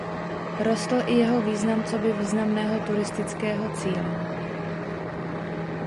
Rostl i jeho význam coby významného turistického cíle.